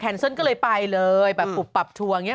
แคลนซั่นก็เลยไปเลยแบบปลับทัวร์อย่างนี้